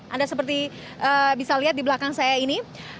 anda seperti bisa lihat di belakang saya ini